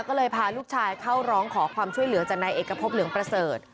ก็เลยพาลูกชายเข้าร้องขอความช่วยเหลือจากนายเอกพบเหลืองประเสริฐ